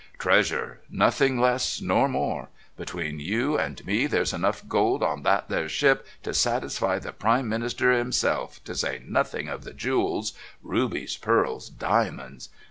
"Treasure, nothing less nor more. Between you and me there's enough gold on that there ship to satisfy the Prime Minister 'imself, to say nothing of the jewels rubies, pearls, diamonds.